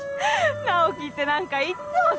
直木って何かいっつもさ